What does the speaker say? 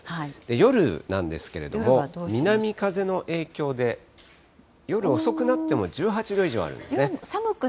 夜なんですけれども、南風の影響で、夜遅くになっても１８度以上あるんですね。